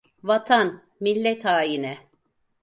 Vatan, millet haini…